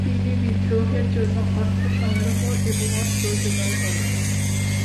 তিনি বিদ্রোহের জন্য অর্থ সংগ্রহ এবং অস্ত্র যোগাড় করেন।